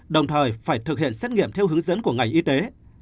đồng thời phải thực hiện xét nghiệm theo hướng dẫn của ngành y tế